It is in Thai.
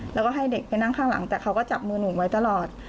แล้วก็ให้เด็กไปนั่งข้างหลังแต่เขาก็จับมือหนูไว้ตลอด